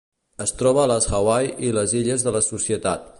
Es troba a les Hawaii i les Illes de la Societat.